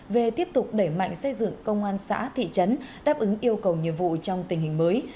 về tiếp tục đẩy mạnh xây dựng công an xã thị trấn đáp ứng yêu cầu nhiệm vụ trong tình hình mới